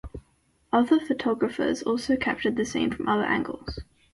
Other photographers also captured the scene from other angles.